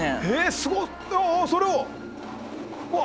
すごっ！